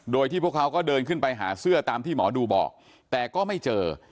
โดยที่พวกเขาก็เดินขึ้นไปหาเสื้อตามที่หมอดูบอกแต่ก็ไม่เจอ